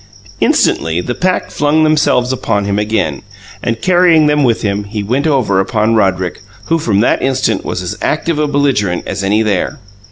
Instantly, the pack flung themselves upon him again, and, carrying them with him, he went over upon Roderick, who from that instant was as active a belligerent as any there.